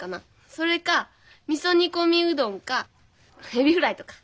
それかみそ煮込みうどんかエビフライとか。